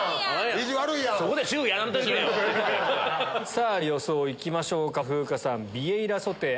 さぁ予想いきましょうか風花さん。